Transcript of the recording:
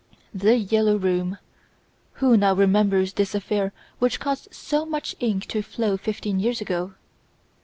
"The Yellow Room"! Who now remembers this affair which caused so much ink to flow fifteen years ago?